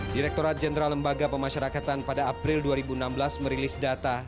direkturat jenderal lembaga pemasyarakatan pada april dua ribu enam belas merilis data